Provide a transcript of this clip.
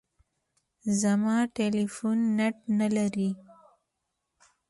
زما ټلیفون نېټ نه لري .